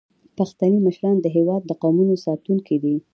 پښتني مشران د هیواد د قومونو ساتونکي دي.